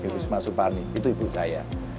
wisma suparni itu ibu saya